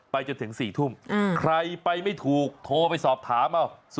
จนถึง๔ทุ่มใครไปไม่ถูกโทรไปสอบถาม